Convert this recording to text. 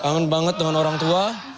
kangen banget dengan orang tua